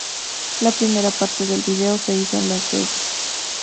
La primera parte del vídeo se hizo en Las Vegas.